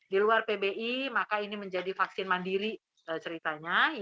di luar pbi maka ini menjadi vaksin mandiri ceritanya